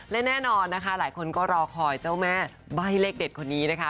และแน่นอนนะคะหลายคนก็รอคอยเจ้าแม่ใบ้เลขเด็ดคนนี้นะคะ